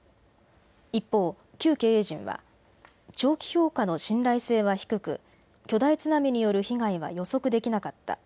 一方、旧経営陣は長期評価の信頼性は低く巨大津波による被害は予測できなかった。